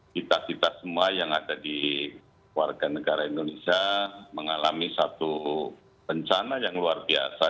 kita kita semua yang ada di warga negara indonesia mengalami satu bencana yang luar biasa